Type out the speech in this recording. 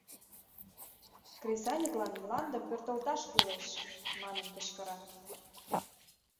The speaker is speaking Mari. «Кресаньыклан мландым пӧртылташ кӱлеш!» — манын кычкырат.